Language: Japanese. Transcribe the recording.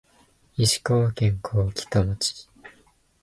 石川県川北町